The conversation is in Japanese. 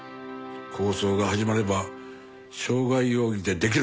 抗争が始まれば傷害容疑でできるだろう！